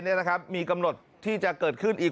ไม่มีกำหนดที่จะเกิดขึ้นอีก